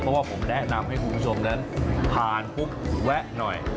เพราะว่าผมแนะนำให้คุณผู้ชมนั้นผ่านปุ๊บแวะหน่อย